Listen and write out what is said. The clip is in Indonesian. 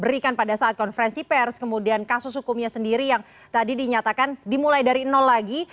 berikan pada saat konferensi pers kemudian kasus hukumnya sendiri yang tadi dinyatakan dimulai dari nol lagi